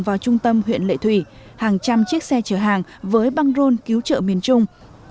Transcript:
vào trung tâm huyện lệ thủy hàng trăm chiếc xe chở hàng với băng rôn cứu trợ miền trung